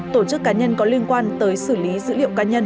tổ chức cá nhân có liên quan tới xử lý dữ liệu cá nhân